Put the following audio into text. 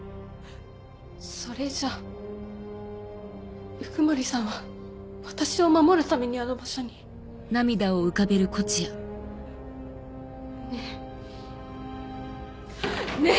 それじゃ鵜久森さんは私を守るためにあの場所に？ねぇ。ねぇ！